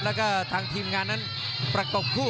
แล้วก็ทางทีมงานนั้นประกบคู่